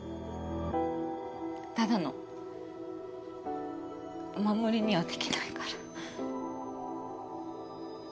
ただのお守りにはできないから。